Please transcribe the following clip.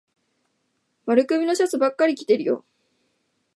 丸首のシャツばっかり着てるよ。